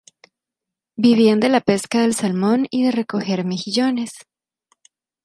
Vivían de la pesca del salmón y de recoger mejillones.